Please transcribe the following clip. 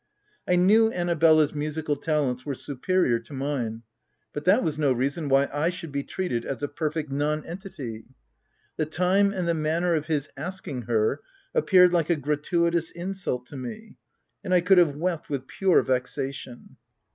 I knew Annabella's musical talents were superior to mine, but that was no reason why I should be treated as a perfect nonentity. The time and the manner of his asking her, appeared like a gratuitous insult to me ; and I could have wept with pure vexation.